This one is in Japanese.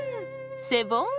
セボン！